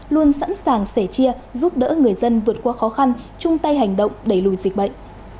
luôn sẵn sàng sẻ chia giúp đỡ người dân vượt qua khó khăn chung tay hành động đẩy lùi dịch bệnh